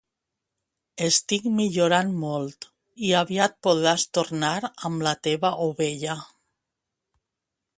Estic millorant molt i aviat podràs tornar amb la teva ovella.